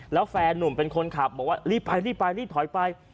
แล้วแฟนนุ่มเป็นคนขับบอกว่ารีบไปรีบไปรีบถอยไป